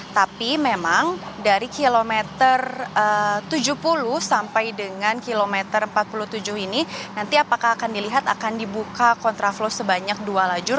tapi memang dari kilometer tujuh puluh sampai dengan kilometer empat puluh tujuh ini nanti apakah akan dilihat akan dibuka kontraflow sebanyak dua lajur